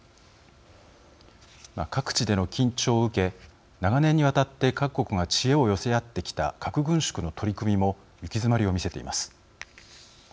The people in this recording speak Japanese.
各地での緊張を受け長年にわたって各国が知恵を寄せ合ってきた核軍縮の取り組みも行き詰まりを見せています。